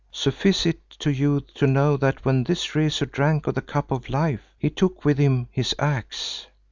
Suffice it to you to know that when this Rezu drank of the Cup of Life he took with him his axe.